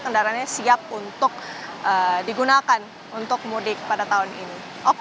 kendaraannya siap untuk digunakan untuk mudik pada tahun ini